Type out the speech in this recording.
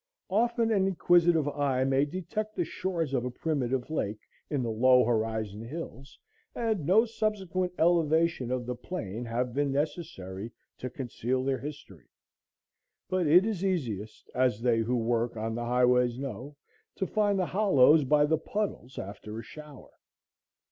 Often an inquisitive eye may detect the shores of a primitive lake in the low horizon hills, and no subsequent elevation of the plain has been necessary to conceal their history. But it is easiest, as they who work on the highways know, to find the hollows by the puddles after a shower.